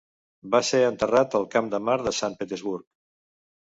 Va ser enterrat al Camp de Mart de Sant Petersburg.